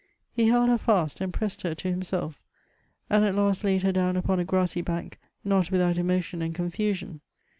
He held her fast, and pressed her to himself — and at last laid her down upon a grassy bank, not without emotion and confusion